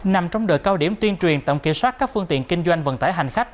nằm trong đời cao điểm tuyên truyền tổng kiểm soát các phương tiện kinh doanh vận tải hành khách